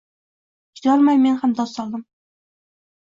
Chidolmay men ham dod soldim